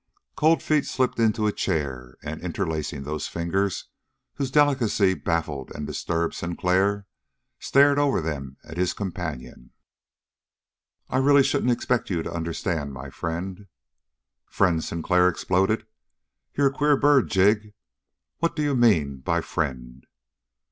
Cold Feet slipped into a chair and, interlacing those fingers whose delicacy baffled and disturbed Sinclair, stared over them at his companion. "I really shouldn't expect you to understand, my friend." "Friend!" Sinclair exploded. "You're a queer bird, Jig. What do you mean by 'friend'?"